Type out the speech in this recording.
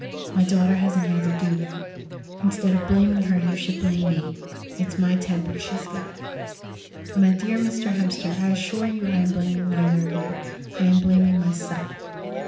My daughter hasn't had to do that. Instead of blaming her, you should blame me. It's my temper she's got." "My dear Mr. Hemster, I assure you I am blaming neither of you; I am blaming myself."